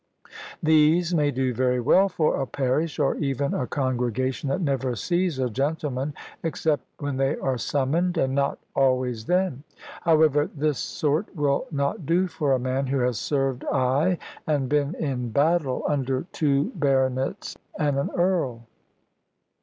These may do very well for a parish, or even a congregation that never sees a gentleman (except when they are summoned and not always then); however, this sort will not do for a man who has served, ay, and been in battle, under two baronets and an earl.